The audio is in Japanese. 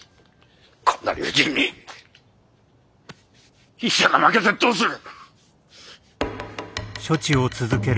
こんな理不尽に医者が負けてどうする！